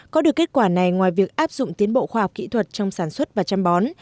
có được kết quả này ngoài việc áp dụng tiến bộ khoa học kỹ thuật trong sản xuất và chăm bón